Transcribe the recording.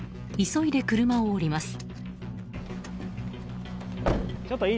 急いで車を降ります。